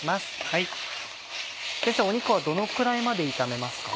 肉はどのくらいまで炒めますか？